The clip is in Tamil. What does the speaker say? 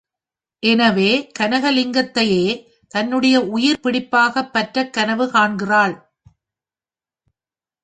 எனவே கனகலிங்கத்தையே தன்னுடைய உயிர்ப் பிடிப்பாகப் பற்றக் கனவு காண்கிறாள்.